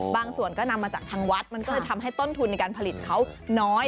บางส่วนก็นำมาจากทางวัดมันก็เลยทำให้ต้นทุนในการผลิตเขาน้อย